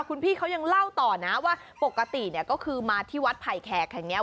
คุณพี่เขายังเล่าต่อนะว่าปกติเนี่ยก็คือมาที่วัดไผ่แขกแห่งนี้